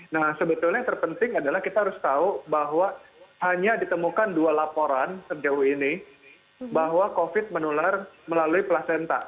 nah sebetulnya yang terpenting adalah kita harus tahu bahwa hanya ditemukan dua laporan sejauh ini bahwa covid menular melalui placenta